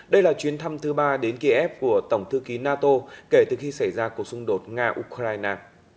đây là chuyến thăm thứ ba đến kiev của tổng thư ký nato kể từ khi xảy ra cuộc xung đột nga ukraine